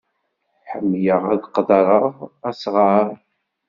Ḥemmleɣ ad qeddreɣ asɣar.